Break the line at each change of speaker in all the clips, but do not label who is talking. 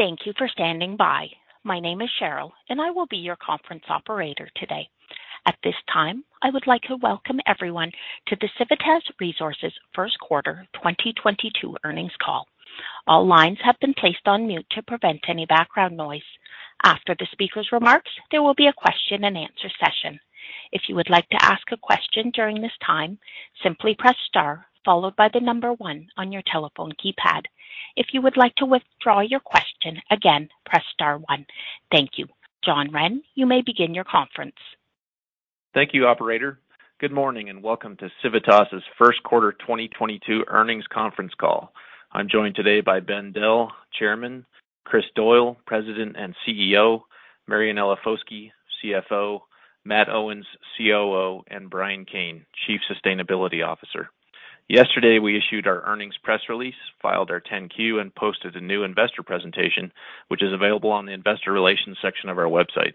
Thank you for standing by. My name is Cheryl, and I will be your conference operator today. At this time, I would like to welcome everyone to the Civitas Resources first quarter 2022 earnings call. All lines have been placed on mute to prevent any background noise. After the speaker's remarks, there will be a question and answer session. If you would like to ask a question during this time, simply press star followed by the number one on your telephone keypad. If you would like to withdraw your question, again, press star one. Thank you. John Wren, you may begin your conference.
Thank you, operator. Good morning and welcome to Civitas' first quarter 2022 earnings conference call. I'm joined today by Ben Dell, Chairman, Chris Doyle, President and CEO, Marianella Foschi, CFO, Matt Owens, COO, and Brian Cain, Chief Sustainability Officer. Yesterday, we issued our earnings press release, filed our Form 10-Q, and posted a new investor presentation, which is available on the investor relations section of our website.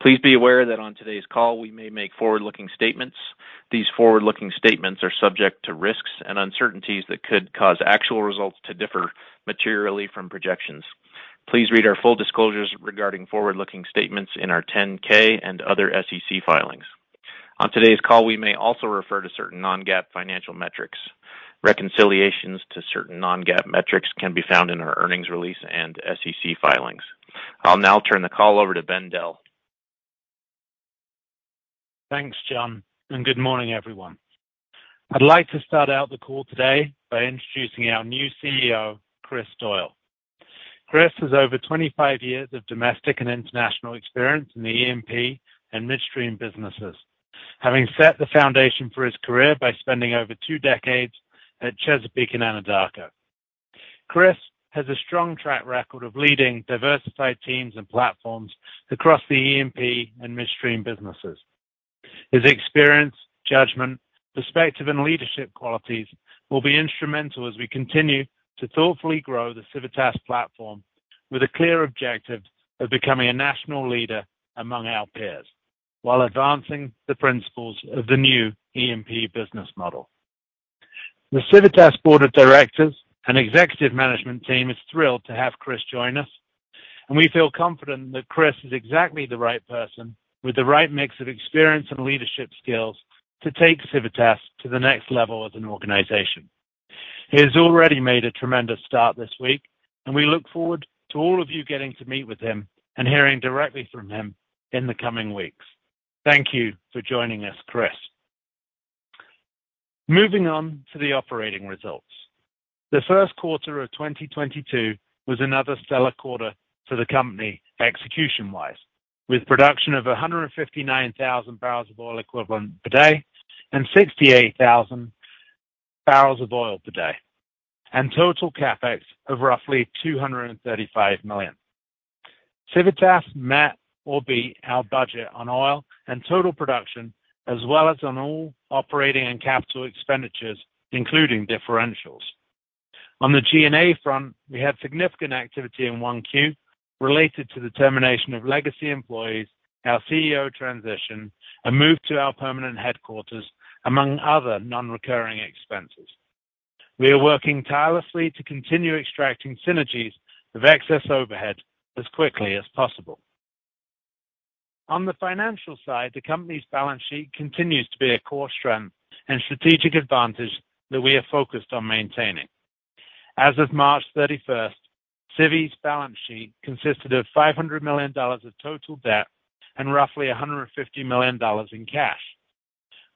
Please be aware that on today's call, we may make forward-looking statements. These forward-looking statements are subject to risks and uncertainties that could cause actual results to differ materially from projections. Please read our full disclosures regarding forward-looking statements in our Form 10-K and other SEC filings. On today's call, we may also refer to certain non-GAAP financial metrics. Reconciliations to certain non-GAAP metrics can be found in our earnings release and SEC filings. I'll now turn the call over to Ben Dell.
Thanks, John, and good morning, everyone. I'd like to start out the call today by introducing our new CEO, Chris Doyle. Chris has over 25 years of domestic and international experience in the E&P and midstream businesses. Having set the foundation for his career by spending over two decades at Chesapeake and Anadarko. Chris has a strong track record of leading diversified teams and platforms across the E&P and midstream businesses. His experience, judgment, perspective, and leadership qualities will be instrumental as we continue to thoughtfully grow the Civitas platform with a clear objective of becoming a national leader among our peers while advancing the principles of the new E&P business model. The Civitas board of directors and executive management team is thrilled to have Chris join us, and we feel confident that Chris is exactly the right person with the right mix of experience and leadership skills to take Civitas to the next level as an organization. He has already made a tremendous start this week, and we look forward to all of you getting to meet with him and hearing directly from him in the coming weeks. Thank you for joining us, Chris. Moving on to the operating results. The first quarter of 2022 was another stellar quarter for the company execution-wise, with production of 159,000 barrels of oil equivalent per day and 68,000 barrels of oil per day, and total CapEx of roughly $235 million. Civitas met or beat our budget on oil and total production, as well as on all operating and capital expenditures, including differentials. On the G&A front, we had significant activity in 1Q related to the termination of legacy employees, our CEO transition, a move to our permanent headquarters, among other non-recurring expenses. We are working tirelessly to continue extracting synergies of excess overhead as quickly as possible. On the financial side, the company's balance sheet continues to be a core strength and strategic advantage that we are focused on maintaining. As of March 31, Civitas balance sheet consisted of $500 million of total debt and roughly $150 million in cash.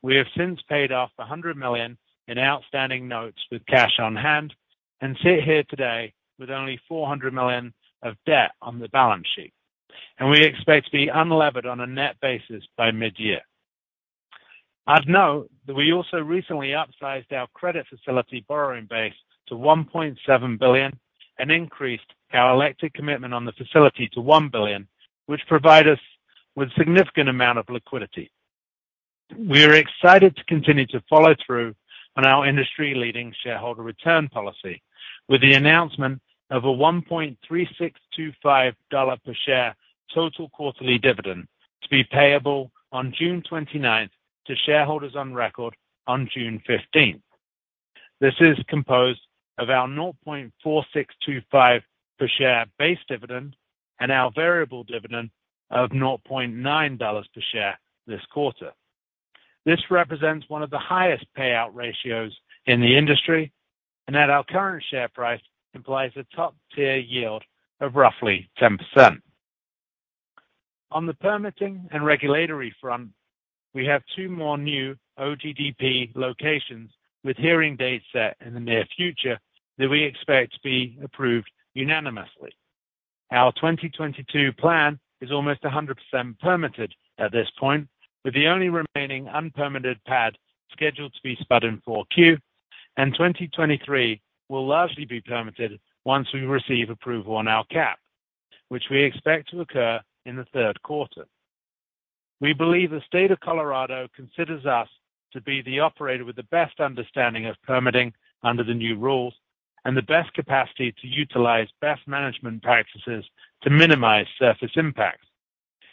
We have since paid off $100 million in outstanding notes with cash on hand and sit here today with only $400 million of debt on the balance sheet. We expect to be unlevered on a net basis by mid-year. I'd note that we also recently upsized our credit facility borrowing base to $1.7 billion and increased our elected commitment on the facility to $1 billion, which provide us with significant amount of liquidity. We are excited to continue to follow through on our industry-leading shareholder return policy with the announcement of a $1.3625 per share total quarterly dividend to be payable on June 29th to shareholders on record on June 15th. This is composed of our $0.4625 per share base dividend and our variable dividend of $0.9 per share this quarter. This represents one of the highest payout ratios in the industry and at our current share price, implies a top-tier yield of roughly 10%. On the permitting and regulatory front, we have two more new OGDP locations with hearing dates set in the near future that we expect to be approved unanimously. Our 2022 plan is almost 100% permitted at this point, with the only remaining unpermitted pad scheduled to be spudded in Q4. 2023 will largely be permitted once we receive approval on our OGDP, which we expect to occur in the third quarter. We believe the state of Colorado considers us to be the operator with the best understanding of permitting under the new rules and the best capacity to utilize best management practices to minimize surface impact.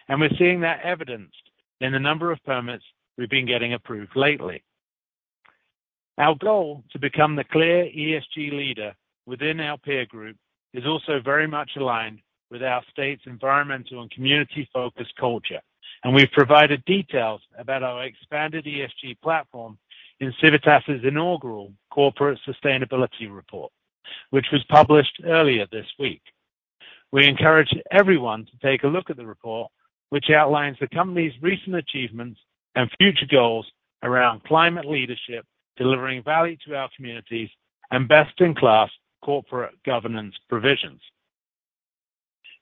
We're seeing that evidenced in the number of permits we've been getting approved lately. Our goal to become the clear ESG leader within our peer group is also very much aligned with our state's environmental and community-focused culture, and we've provided details about our expanded ESG platform in Civitas' inaugural corporate sustainability report, which was published earlier this week. We encourage everyone to take a look at the report, which outlines the company's recent achievements and future goals around climate leadership, delivering value to our communities, and best-in-class corporate governance provisions.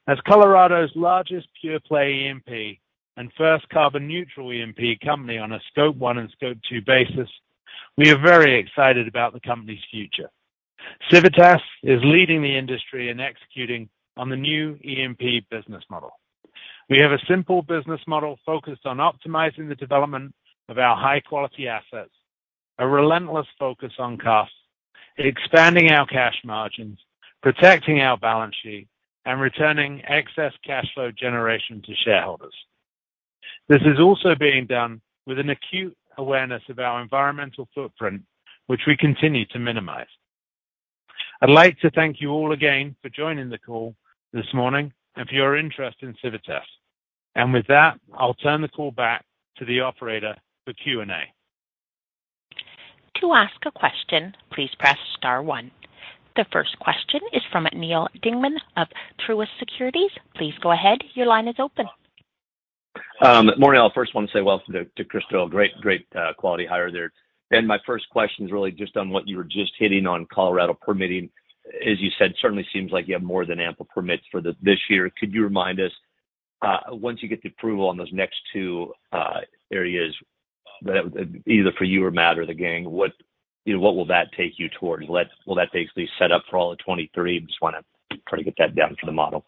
As Colorado's largest pure-play E&P and first carbon-neutral E&P company on a Scope 1 and Scope 2 basis, we are very excited about the company's future. Civitas is leading the industry in executing on the new E&P business model. We have a simple business model focused on optimizing the development of our high-quality assets, a relentless focus on costs, expanding our cash margins, protecting our balance sheet, and returning excess cash flow generation to shareholders. This is also being done with an acute awareness of our environmental footprint, which we continue to minimize. I'd like to thank you all again for joining the call this morning and for your interest in Civitas. With that, I'll turn the call back to the operator for Q&A.
To ask a question, please press star one. The first question is from Neal's Dingmann of Truist Securities. Please go ahead. Your line is open.
Morning. I first want to say welcome to Chris Doyle. Great quality hire there. My first question is really just on what you were just hitting on Colorado permitting. As you said, certainly seems like you have more than ample permits for this year. Could you remind us, once you get the approval on those next two areas, either for you or Matt or the gang, what, you know, what will that take you towards? Will that basically set up for all of 2023? Just wanna try to get that down for the model.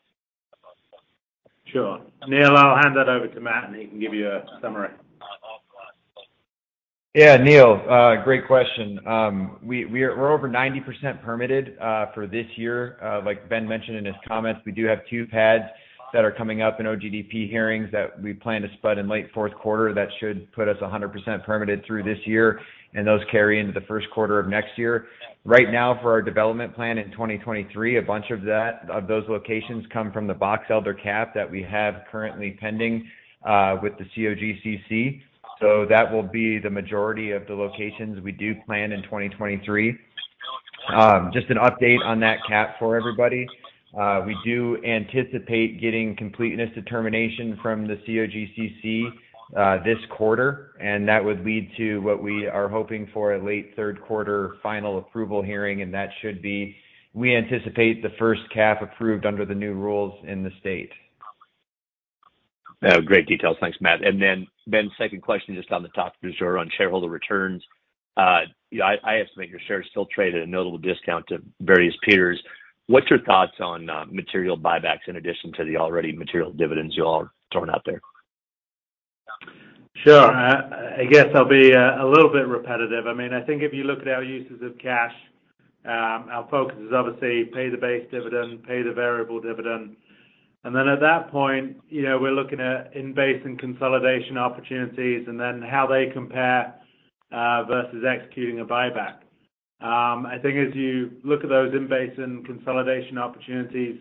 Sure. Neal's, I'll hand that over to Matt, and he can give you a summary.
Yeah, Neal's, great question. We're over 90% permitted for this year. Like Ben mentioned in his comments, we do have two pads that are coming up in OGDP hearings that we plan to spud in late fourth quarter. That should put us 100% permitted through this year, and those carry into the first quarter of next year. Right now for our development plan in 2023, a bunch of that, of those locations come from the Box Elder cap that we have currently pending with the COGCC. So that will be the majority of the locations we do plan in 2023. Just an update on that cap for everybody. We do anticipate getting completeness determination from the COGCC this quarter, and that would lead to what we are hoping for, a late third quarter final approval hearing. We anticipate the first pad approved under the new rules in the state.
Yeah, great details. Thanks, Matt. Then Ben, second question just on shareholder returns. You know, I estimate your shares still trade at a notable discount to various peers. What's your thoughts on, material buybacks in addition to the already material dividends you all are throwing out there?
Sure. I guess I'll be a little bit repetitive. I mean, I think if you look at our uses of cash, our focus is obviously pay the base dividend, pay the variable dividend. Then at that point, you know, we're looking at in-basin consolidation opportunities and then how they compare versus executing a buyback. I think as you look at those in-basin consolidation opportunities,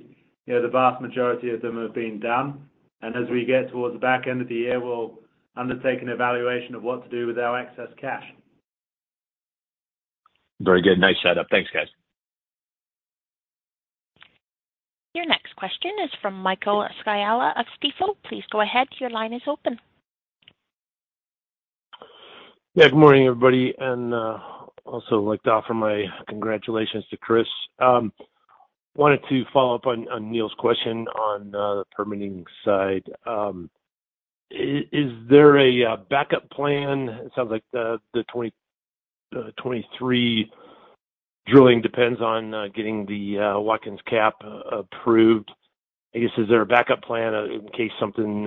you know, the vast majority of them have been done. As we get towards the back end of the year, we'll undertake an evaluation of what to do with our excess cash.
Very good. Nice setup. Thanks, guys.
Your next question is from Michael Scialla of Stifel. Please go ahead. Your line is open.
Yeah. Good morning, everybody, and also like to offer my congratulations to Chris. Wanted to follow up on Neal's question on the permitting side. Is there a backup plan? It sounds like the 2023 drilling depends on getting the Watkins cap approved. I guess, is there a backup plan in case something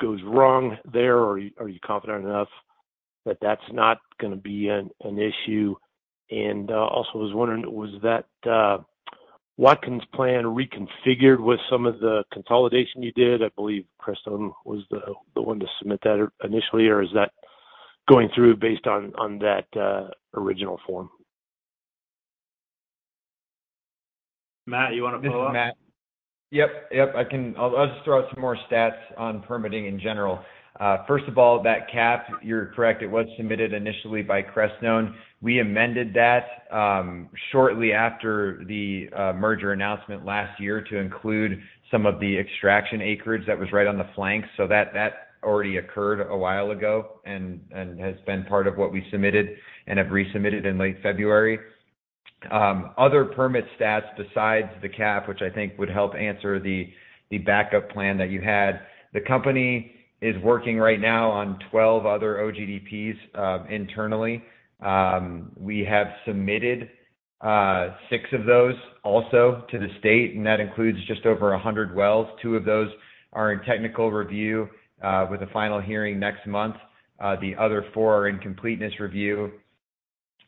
goes wrong there? Or are you confident enough that that's not gonna be an issue? Also was wondering, was that Watkins plan reconfigured with some of the consolidation you did? I believe Crestone was the one to submit that initially. Or is that going through based on that original form?
Matt, you wanna pull up?
This is Matt. Yep. Yep. I'll just throw out some more stats on permitting in general. First of all, that cap, you're correct, it was submitted initially by Crestone. We amended that, shortly after the merger announcement last year to include some of the extraction acreage that was right on the flank. That already occurred a while ago and has been part of what we submitted and have resubmitted in late February. Other permit stats besides the cap, which I think would help answer the backup plan that you had. The company is working right now on 12 other OGDPs, internally. We have submitted, six of those also to the state, and that includes just over 100 wells. Two of those are in technical review, with a final hearing next month. The other four are in completeness review.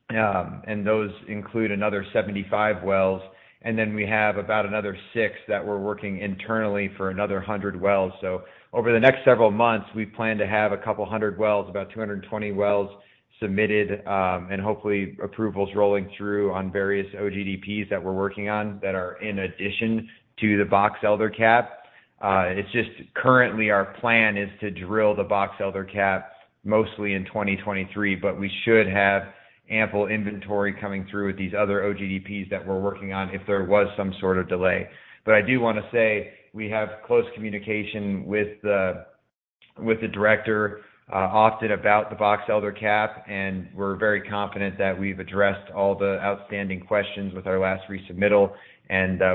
Those include another 75 wells, and then we have about another six that we're working internally for another 100 wells. Over the next several months, we plan to have 200 wells, about 220 wells submitted, and hopefully approvals rolling through on various OGDPs that we're working on that are in addition to the Box Elder cap. It's just currently our plan is to drill the Box Elder cap mostly in 2023, but we should have ample inventory coming through with these other OGDPs that we're working on if there was some sort of delay. I do wanna say we have close communication with the director often about the Box Elder cap, and we're very confident that we've addressed all the outstanding questions with our last resubmittal.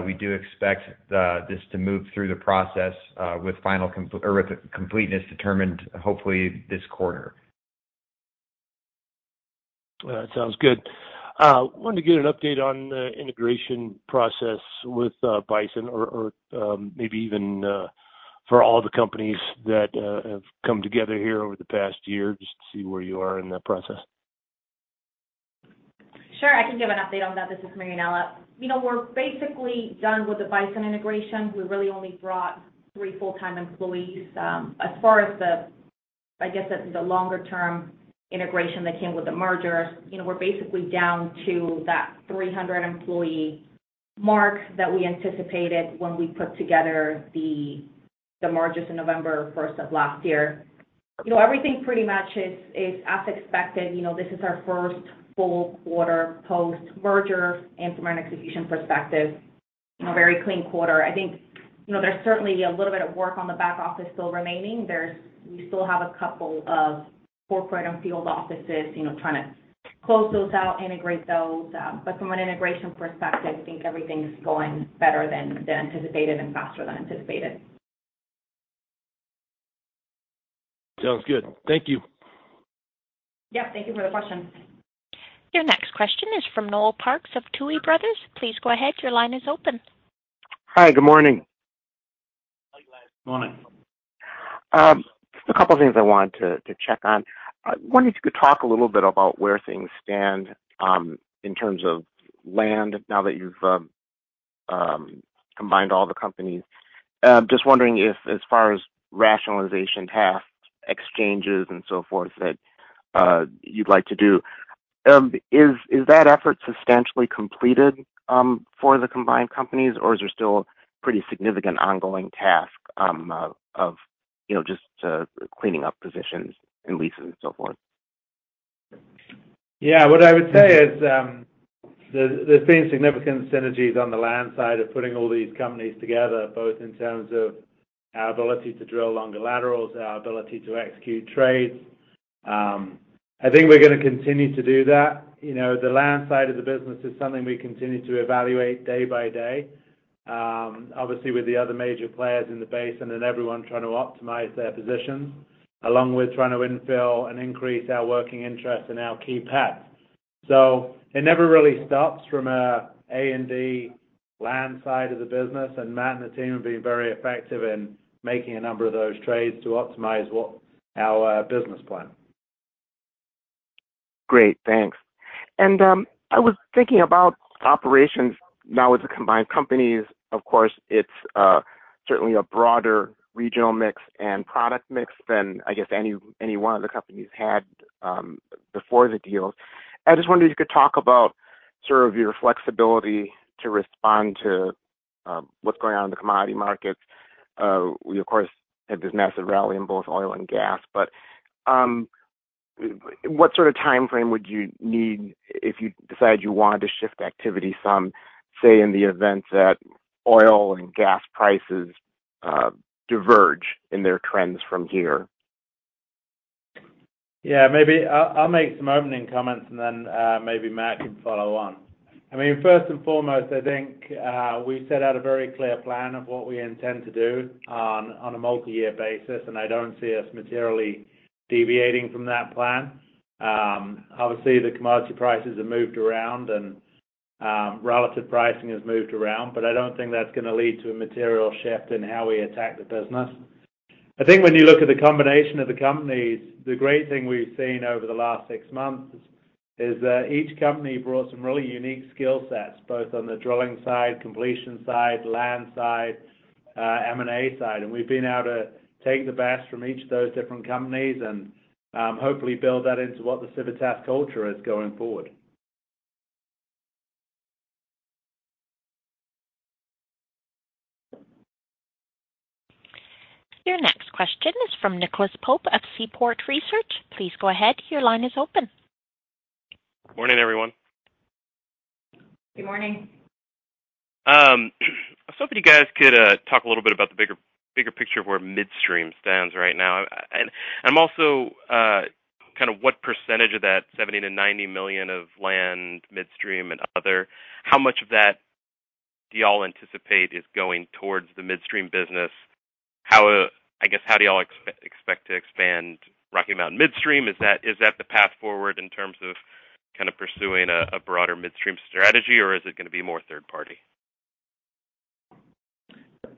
We do expect this to move through the process with completeness determined hopefully this quarter.
That sounds good. Wanted to get an update on the integration process with Bison or maybe even for all the companies that have come together here over the past year, just to see where you are in that process.
Sure. I can give an update on that. This is Marianella. You know, we're basically done with the Bison integration. We really only brought three full-time employees. As far as, I guess, the longer-term integration that came with the merger, you know, we're basically down to that 300 employee mark that we anticipated when we put together the mergers in November first of last year. You know, everything pretty much is as expected. You know, this is our first full quarter post-merger, and from an execution perspective, you know, very clean quarter. I think, you know, there's certainly a little bit of work on the back office still remaining. We still have a couple of corporate and field offices, you know, trying to close those out, integrate those. From an integration perspective, I think everything's going better than anticipated and faster than anticipated.
Sounds good. Thank you.
Yeah. Thank you for the question.
Your next question is from Noel Parks of Tuohy Brothers. Please go ahead. Your line is open.
Hi. Good morning.
Good morning.
Just a couple things I wanted to check on. I wondered if you could talk a little bit about where things stand in terms of land now that you've combined all the companies. Just wondering if as far as rationalization tasks, exchanges and so forth that you'd like to do, is that effort substantially completed for the combined companies, or is there still pretty significant ongoing tasks of you know just cleaning up positions and leases and so forth?
Yeah. What I would say is, there's been significant synergies on the land side of putting all these companies together, both in terms of our ability to drill longer laterals, our ability to execute trades. I think we're gonna continue to do that. You know, the land side of the business is something we continue to evaluate day by day, obviously with the other major players in the basin and everyone trying to optimize their positions, along with trying to infill and increase our working interest in our key pads. It never really stops from a A&D land side of the business, and Matt and the team have been very effective in making a number of those trades to optimize what our business plan.
Great. Thanks. I was thinking about operations now as a combined companies. Of course, it's certainly a broader regional mix and product mix than, I guess, any one of the companies had, before the deal. I just wondered if you could talk about sort of your flexibility to respond to, what's going on in the commodity markets. We of course had this massive rally in both oil and gas, but, what sort of timeframe would you need if you decide you wanted to shift activity some, say in the event that oil and gas prices, diverge in their trends from here?
Yeah. Maybe I'll make some opening comments and then, maybe Matt can follow on. I mean, first and foremost, I think, we set out a very clear plan of what we intend to do on a multi-year basis, and I don't see us materially deviating from that plan. Obviously, the commodity prices have moved around and, relative pricing has moved around, but I don't think that's gonna lead to a material shift in how we attack the business. I think when you look at the combination of the companies, the great thing we've seen over the last six months is, each company brought some really unique skill sets, both on the drilling side, completion side, land side, M&A side. We've been able to take the best from each of those different companies and hopefully build that into what the Civitas culture is going forward.
Your next question is from Nicholas Pope of Seaport Research. Please go ahead. Your line is open.
Morning, everyone.
Good morning.
I was hoping you guys could talk a little bit about the bigger picture of where midstream stands right now. I'm also kind of what percentage of that $70-$90 million of land midstream and other, how much of that do y'all anticipate is going towards the midstream business? How, I guess, how do y'all expect to expand Rocky Mountain Midstream? Is that the path forward in terms of kind of pursuing a broader midstream strategy, or is it gonna be more third party?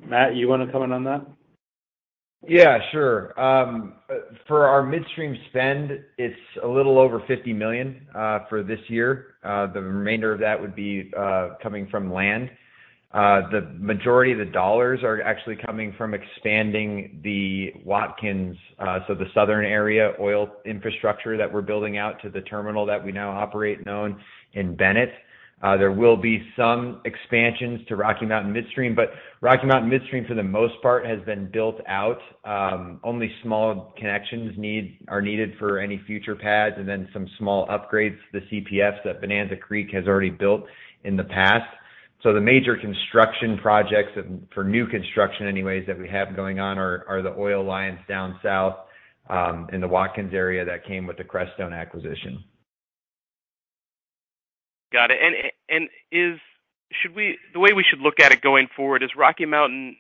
Matt, you wanna comment on that?
Yeah, sure. For our midstream spend, it's a little over $50 million for this year. The remainder of that would be coming from land. The majority of the dollars are actually coming from expanding the Watkins, so the southern area oil infrastructure that we're building out to the terminal that we now operate known in Bennett. There will be some expansions to Rocky Mountain Midstream, but Rocky Mountain Midstream, for the most part, has been built out. Only small connections are needed for any future pads, and then some small upgrades to the CPFs that Bonanza Creek has already built in the past. The major construction projects for new construction anyways that we have going on are the oil lines down south in the Watkins area that came with the Crestone acquisition.
Got it. The way we should look at it going forward, is Rocky Mountain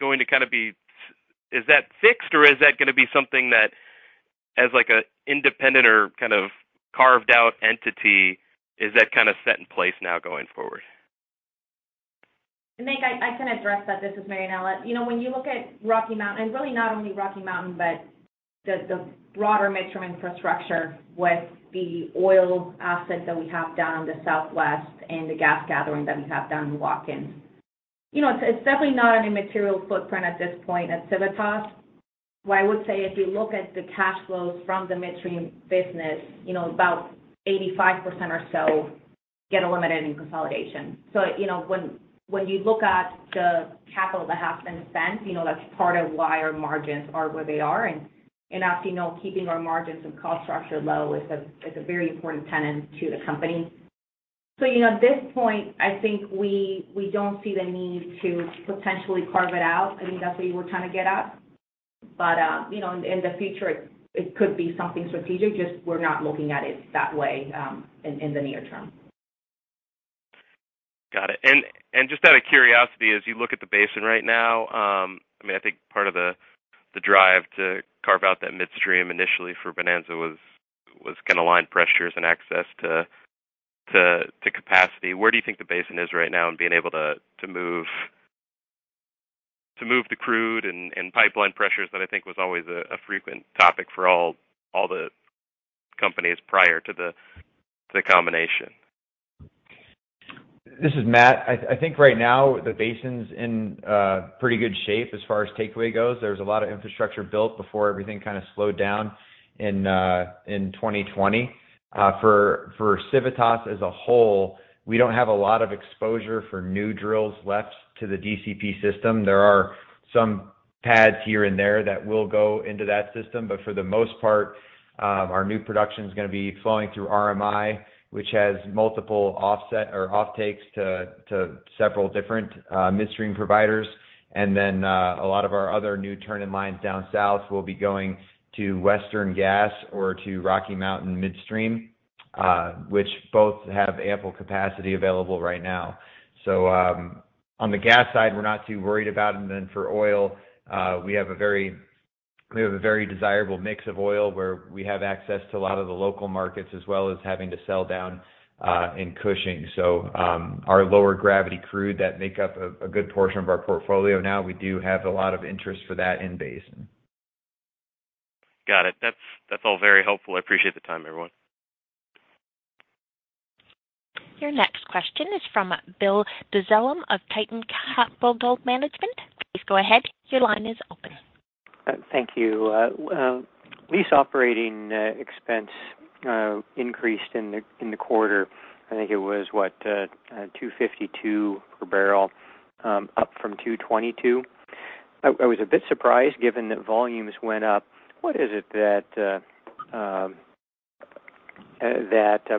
going to kinda be something that is like an independent or kind of carved out entity, is that kind of set in place now going forward?
Nick, I can address that. This is Marianella. You know, when you look at Rocky Mountain, and really not only Rocky Mountain, but the broader midstream infrastructure with the oil assets that we have down in the southwest and the gas gathering that we have down in Watkins. You know, it's definitely not on a material footprint at this point at Civitas, where I would say if you look at the cash flows from the midstream business, you know, about 85% or so get eliminated in consolidation. You know, when you look at the capital that has been spent, you know, that's part of why our margins are where they are. As you know, keeping our margins and cost structure low is a very important tenet to the company. You know, at this point, I think we don't see the need to potentially carve it out. I think that's what you were trying to get at. You know, in the future it could be something strategic, just we're not looking at it that way, in the near term.
Got it. Just out of curiosity, as you look at the basin right now, I mean, I think part of the drive to carve out that midstream initially for Bonanza was kinda line pressures and access to capacity. Where do you think the basin is right now in being able to move the crude and pipeline pressures that I think was always a frequent topic for all the companies prior to the combination?
This is Matt. I think right now the basin's in pretty good shape as far as takeaway goes. There was a lot of infrastructure built before everything kind of slowed down in 2020. For Civitas as a whole, we don't have a lot of exposure for new drills left to the DCP system. There are some pads here and there that will go into that system, but for the most part, our new production's gonna be flowing through RMI, which has multiple offset or offtakes to several different midstream providers. A lot of our other new turn-in-lines down south will be going to Western Gas or to Rocky Mountain Midstream, which both have ample capacity available right now. On the gas side, we're not too worried about it. For oil, we have a very desirable mix of oil where we have access to a lot of the local markets as well as having to sell down in Cushing. Our lower gravity crude that make up a good portion of our portfolio now, we do have a lot of interest for that in basin.
Got it. That's all very helpful. I appreciate the time, everyone.
Your next question is from Bill Dezellem of Tieton Capital Management. Please go ahead. Your line is open.
Thank you. Lease operating expense increased in the quarter. I think it was $252 per barrel up from $222. I was a bit surprised given that volumes went up. What is it that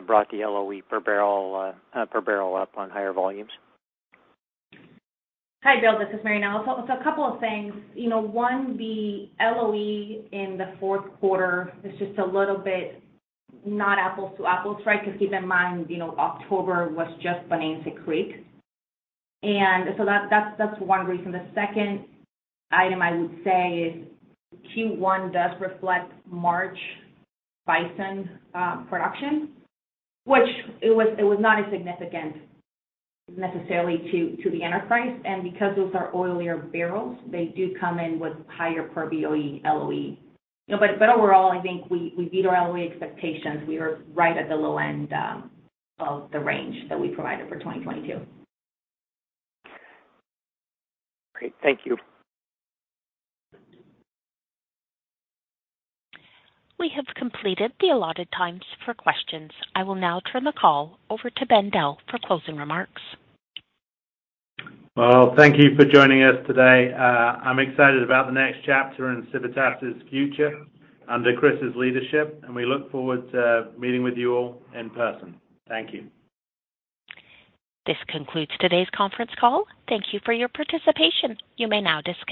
brought the LOE per barrel up on higher volumes?
Hi, Bill. This is Marianella. A couple of things. You know, one, the LOE in the fourth quarter is just a little bit not apples to apples, right? Because keep in mind, you know, October was just Bonanza Creek. That's one reason. The second item I would say is Q1 does reflect March Bison production, which was not as significant necessarily to the enterprise. Because those are oilier barrels, they do come in with higher per BOE LOE. You know, but overall, I think we beat our LOE expectations. We were right at the low end of the range that we provided for 2022.
Great. Thank you.
We have completed the allotted times for questions. I will now turn the call over to Ben Dell for closing remarks.
Well, thank you for joining us today. I'm excited about the next chapter in Civitas' future under Chris's leadership, and we look forward to meeting with you all in person. Thank you.
This concludes today's conference call. Thank you for your participation. You may now disconnect.